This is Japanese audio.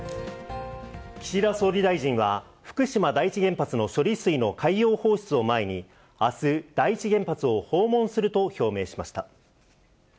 岸田総理大臣は、福島第一原発の処理水の海洋放出を前にあす、第一原発を訪問すると表明しました。